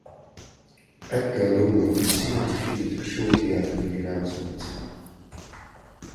Edgar Lungu conceded defeat shortly after the announcement.